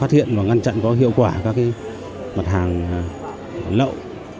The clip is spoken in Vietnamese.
phát hiện và ngăn chặn có hiệu quả các mặt hàng lậu